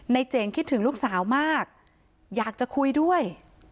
เจ๋งคิดถึงลูกสาวมากอยากจะคุยด้วย